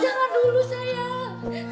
jangan dulu sayang